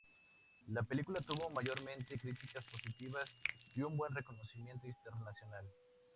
La película tuvo mayormente críticas positivas y buen reconocimiento internacional.